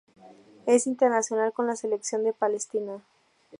Es internacional con la Selección de Palestina.